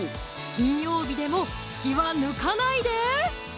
金曜日でも気は抜かないで！